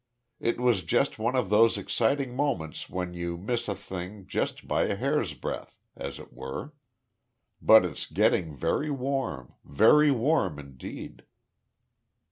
It was just one of those exciting moments when you miss a thing just by a hairsbreadth, as it were. But it's getting very warm very warm indeed."